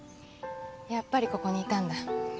やっぱりここにいたんだ。